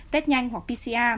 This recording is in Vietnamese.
test nhanh hoặc pcr